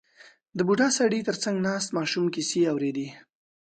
• د بوډا سړي تر څنګ ناست ماشوم کیسې اورېدې.